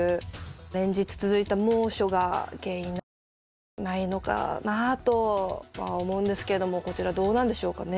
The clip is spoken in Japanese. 連日続いた猛暑が原因なのではないのかなとは思うんですけれどもこちらどうなんでしょうかね。